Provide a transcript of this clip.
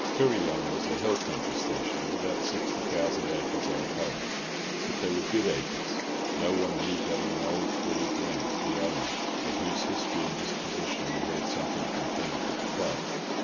Kuryong was a hill country station of about sixty thousand acres all told; but they were good acres, as no one knew better than old Bully Grant, the owner, of whose history and disposition we heard something from Pinnock at the club.